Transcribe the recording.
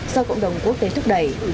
do cộng đồng quốc tế thúc đẩy